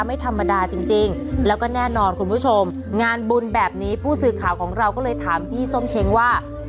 ไม่ธรรมดาจริงแล้วก็แน่นอนคุณผู้ชมงานบุญแบบนี้ผู้สื่อข่าวของเราก็เลยถามพี่ส้มเช้งว่า